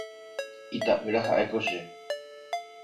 Ita'ýra ha'éko che.